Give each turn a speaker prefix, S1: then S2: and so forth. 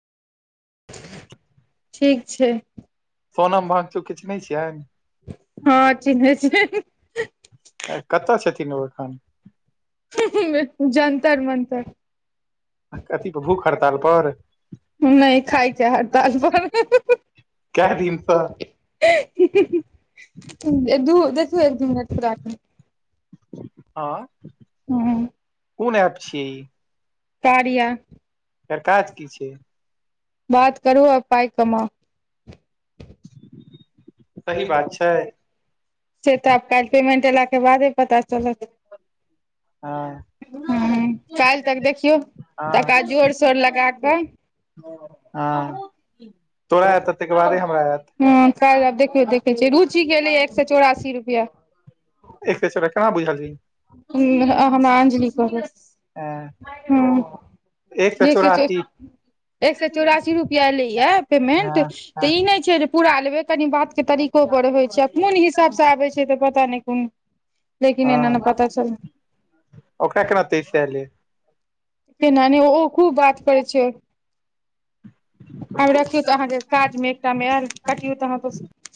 S1: ठीक छै।
S2: सोनम वांगचुक के चिन्है छियै।
S1: हँ चिन्है छियै
S2: कतऽ छथिन ओ एखन।
S1: जन्तर -मंतर।
S2: कथी पर भूख हड़ताल पर।
S1: नै खायके हड़ताल पर।
S2: कए दिनसँ
S1: दू देखु एक-दु मिनट पुरा कऽ।
S2: आँ
S1: हँ
S2: कोन एप छियै ई।
S1: कार्या।
S2: एकर काज की छै?
S1: बात करू आ पाइ कमाउ। [inaudible] सही बात छै, से तऽ आब काल्हि पेमेंट एला के बादे पता चलत।
S2: [inaudible]
S1: हं काल्हि तक देखियौ,
S2: हँ
S1: तकरा जोर शोर लगा कऽ
S2: हँ, तोरा आयत तकर बादे हमरा आयत।
S1: हँ क आब देखियौ देखै छियै। रुचि के एलैये एक सए चौरासी रुपया।
S2: एक सौ छै से केना बुझलिही।
S1: हम हमरा अंजलि कहलक,
S2: हँ
S1: हॅं।
S2: एक सए
S1: जे छै से।
S2: चौरासी
S1: एक सए चौरासी रुपआ एलैये पेमेंट
S2: हँ
S1: तऽ
S2: हँ
S1: ई नहि छै जे पूरा लेबे कनि बात के तरीको पर होइ छै आ कोन हिसाबसँ आबै छै तऽ पता नहि कोन लेकिन एना नै
S2: हँ
S1: पता
S2: ओकरा
S1: चले।
S2: [unintelligible]
S1: कि माने ओहो खूब बात करै छै। आब रखियौ तऽ अहाँके काजमे एकटा मे आयल तकियौ त अपना सं